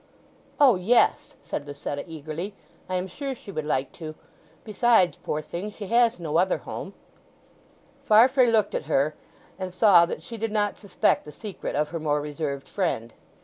"O yes!" said Lucetta eagerly. "I am sure she would like to. Besides, poor thing, she has no other home." Farfrae looked at her and saw that she did not suspect the secret of her more reserved friend.